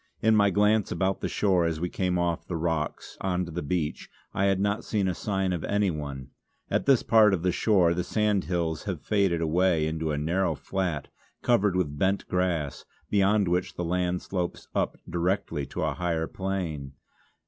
In my glance about the shore, as we came off the rocks on to the beach, I had not seen a sign of anyone. At this part of the shore the sandhills have faded away into a narrow flat covered with bent grass, beyond which the land slopes up directly to the higher plain.